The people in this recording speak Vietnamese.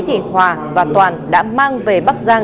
thì hòa và toàn đã mang về bắc giang